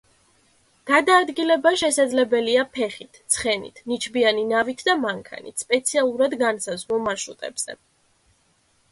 გადაადგილება შესაძლებელია ფეხით, ცხენით, ნიჩბიანი ნავით და მანქანით სპეციალურად განსაზღვრულ მარშრუტებზე.